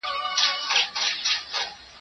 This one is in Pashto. ما پرون د سبا لپاره د سوالونو جواب ورکړ!